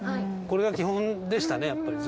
これが基本でしたねやっぱり。